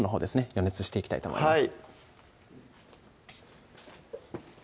予熱していきたいと思います